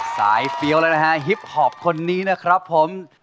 สายเฟียวเลยนะฮะฮิปฮอปคนนี้นะครับคุม